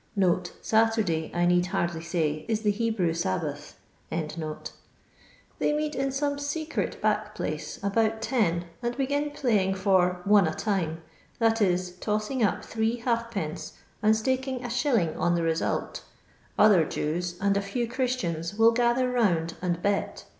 [Saturday, I need hardly lay, is the Hebrew Sabbath.] " They meet in some secret back place, about ten, and begin playing for 'one a time' — that is, tossing up three halfpence, and staking Is. on the result. Other Jews, and a few Christians, will gather round and bet.